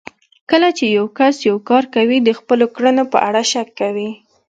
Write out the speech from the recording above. کله چې يو کس يو کار کوي د خپلو کړنو په اړه شک کوي.